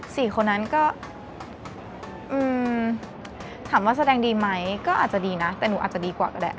สี่คนนั้นก็อืมถามว่าแสดงดีไหมก็อาจจะดีนะแต่หนูอาจจะดีกว่าก็ได้